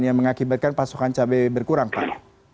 yang mengakibatkan pasokan cabai berkurang pak